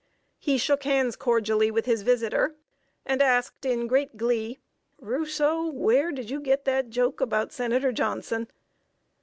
He shook hands cordially with his visitor, and asked, in great glee: "Rousseau, where did you get that joke about Senator Johnson?"